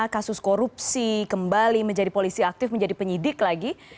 kasus korupsi kembali menjadi polisi aktif menjadi penyidik lagi